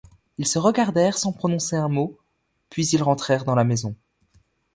Ils se regardèrent sans prononcer un mot, puis ils rentrèrent dans la maison.